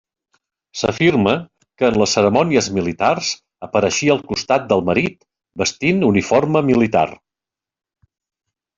S'afirma que, en les cerimònies militars, apareixia al costat del marit vestint uniforme militar.